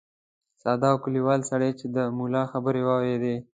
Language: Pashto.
ساده او کلیوال سړي چې د ملا خبرې واورېدې.